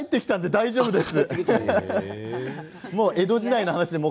大丈夫です。